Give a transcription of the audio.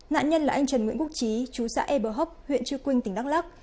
nạn nhân là anh trần nguyễn quốc trí chú xã e bờ hốc huyện trư quynh tỉnh đắk lắc